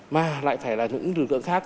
mà lại phải là những lực lượng khác